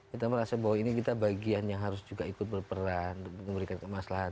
kita merasa bahwa ini kita bagian yang harus juga ikut berperan untuk memberikan kemaslahan